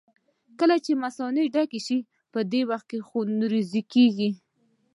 کله چې مثانه ډکه شي په دې وخت کې خوږېږي.